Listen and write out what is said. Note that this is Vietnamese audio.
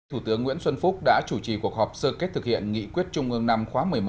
thủ tướng nguyễn xuân phúc đã chủ trì cuộc họp sơ kết thực hiện nghị quyết trung ương năm khóa một mươi một